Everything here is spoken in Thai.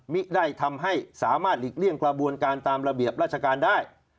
ไม่ได้ทำให้สามารถหลีกเลี่ยงกระบวนการตามระเบียบราชการได้